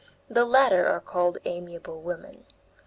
The latter are called amiable women.